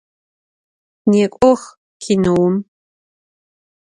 Nêk'ox kinoum!